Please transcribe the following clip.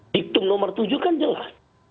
diktum nomor tujuh kan jelas